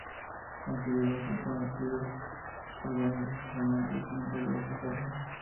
Aunque son conocidos algunos de sus romances, nunca llegó a casarse.